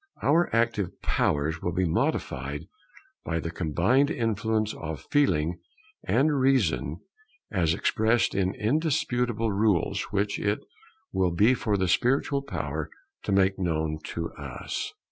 Our active powers will be modified by the combined influence of feeling and reason, as expressed in indisputable rules which it will be for the spiritual power to make known to us.